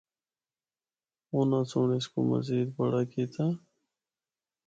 اُناں سنڑ اس کو مزید بڑا کیتا۔